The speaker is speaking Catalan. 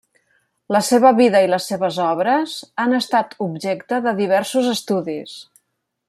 La seva vida i les seves obres han estat objecte de diversos estudis.